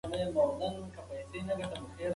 ځواني د یو داسې تېز روان سیند په څېر ده چې نه درېږي.